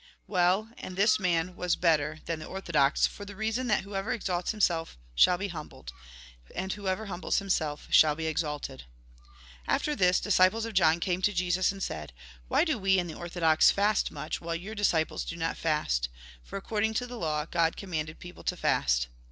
Well, and this man was better than the orthodox, for the reason that whoever exalts himself shall be humbled, and whoever humbles himself shall be exalted." After this, disciples of John came to Jesus, and said :" Why do we and the orthodox fast much, while your disciples do not fast ? Por, according to the law, God commanded people to fast."